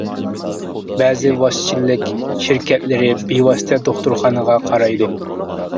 بەزى ۋاسىتىچىلىك شىركەتلىرى بىۋاسىتە دوختۇرخانىغا قارايدۇ.